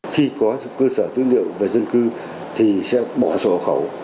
khi có cơ sở dữ liệu về dân cư thì sẽ bỏ sổ khẩu